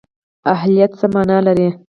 اهلیت څه مانا لري؟